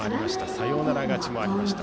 サヨナラ勝ちもありました。